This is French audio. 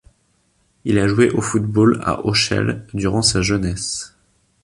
Il a joué au football à Auchel durant sa jeunesse.